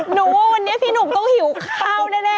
หนูว่าวันนี้พี่หนุ่มต้องหิวข้าวแน่